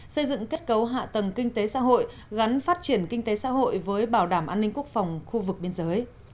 xây dựng kết cấu hạ tầng kinh tế xã hội gắn phát triển kinh tế xã hội với bảo đảm an ninh quốc phòng khu vực biên giới